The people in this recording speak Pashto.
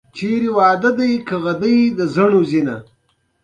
د ښار مشهورې مسلۍ